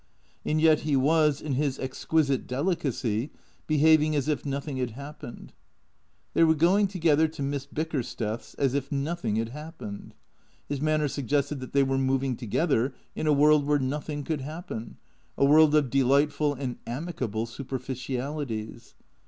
And yet, he was (in his ex quisite delicacy) behaving as if nothing had happened. They were going together to Miss Bickersteth's as if nothing had happened. His manner suggested that they were moving to gether in a world where nothing could happen; a world of delightful and amicable superficialities.